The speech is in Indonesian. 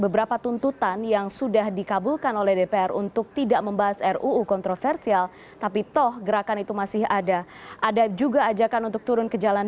bersama bapak bapak sekalian